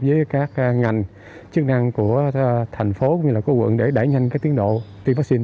với các ngành chức năng của thành phố cũng như là của quận để đẩy nhanh cái tiến độ tiêm vaccine